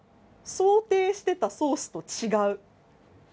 想定していたソースと違う。